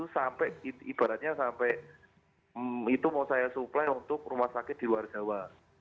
lima belas is itu ibaratnya sampai itu mau saya supply untuk rumah sakit di luar jawa